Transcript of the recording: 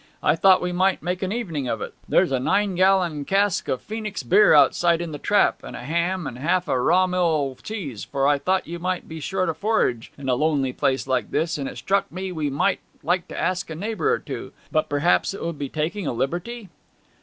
'I thought we might make an evening of it. There's a nine gallon cask o' "Phoenix" beer outside in the trap, and a ham, and half a rawmil' cheese; for I thought you might be short o' forage in a lonely place like this; and it struck me we might like to ask in a neighbour or two. But perhaps it would be taking a liberty?'